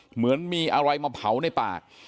เหมือนมีอะไรมาเผาในปาก